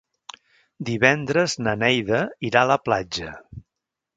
Divendres na Neida irà a la platja.